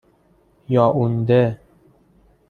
یائونده